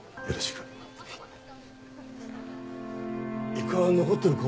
イカは残ってるか？